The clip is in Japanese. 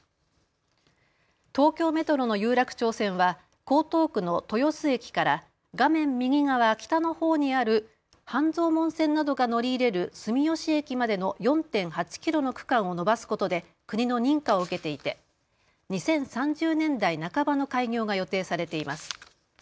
東京メトロの有楽町線は江東区の豊洲駅から画面右側、北のほうにある半蔵門線などが乗り入れる住吉駅までの４．８キロの区間を延ばすことで国の認可を受けていて２０３０年代半ばの開業が予定されています。